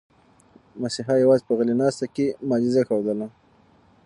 مسیحا یوازې په غلې ناسته کې معجزه ښودله.